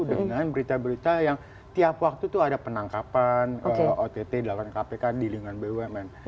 dengan berita berita yang tiap waktu itu ada penangkapan ott dilakukan kpk di lingkungan bumn